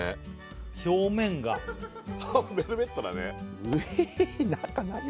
表面がベルベットだね